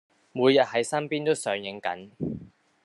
每日喺身邊都上映緊